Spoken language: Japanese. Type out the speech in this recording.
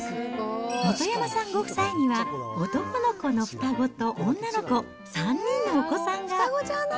本山さんご夫妻には、男の子の双子と女の子、３人のお子さんが。